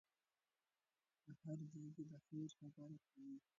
په هر ځای کې د خیر خبره کوئ.